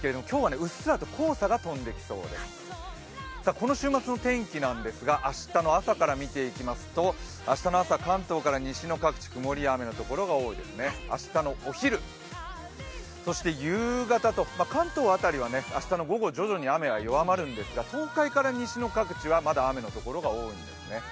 この週末の天気なんですが、明日の朝から見ていきますと関東から西の各地曇りや雨の所が多そうですね、明日のお昼、そして夕方と関東辺りは明日、徐々に雨が弱まるんですが、東海から西の各地はまだ雨のところが多いんですね。